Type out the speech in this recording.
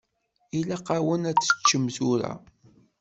Ilaq-awen ad teččem tura.